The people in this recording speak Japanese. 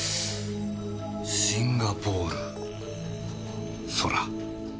シンガポール空。